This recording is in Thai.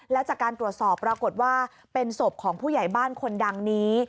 แล้วจากการตรวจสอบปรากฏว่าเป็นศพของผู้ใหญ่บ้านคนดังนี้